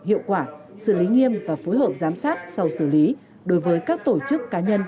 hiệu quả xử lý nghiêm và phối hợp giám sát sau xử lý đối với các tổ chức cá nhân